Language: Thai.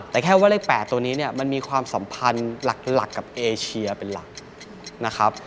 แต่แค่ว่าเลข๘ตัวนี้เนี่ยมันมีความสัมพันธ์หลักกับเอเชียเป็นหลักนะครับ